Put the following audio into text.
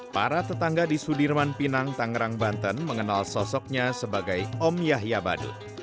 para tetangga di sudirman pinang tangerang banten mengenal sosoknya sebagai om yahya badut